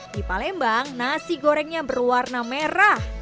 di palembang nasi gorengnya berwarna merah